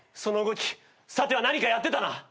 その動きさては何かやってたな？